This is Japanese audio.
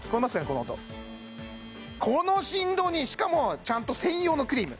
この音この振動にしかもちゃんと専用のクリーム